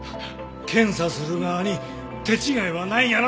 検査する側に手違いはないんやな！？